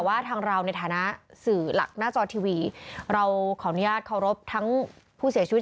ว่าทางเราในฐานะสื่อหลักหน้าจอทีวีเราขออนุญาตเคารพทั้งผู้เสียชีวิต